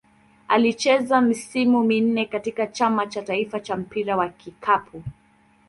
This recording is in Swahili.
Alicheza misimu minne katika Chama cha taifa cha mpira wa kikapu.